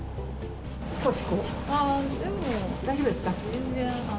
大丈夫ですか？